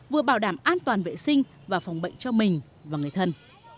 vừa bảo đảm an toàn vệ sinh và phòng bệnh cho mình và người thân